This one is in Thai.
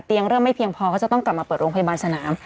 เริ่มไม่เพียงพอเขาจะต้องกลับมาเปิดโรงพยาบาลสนาม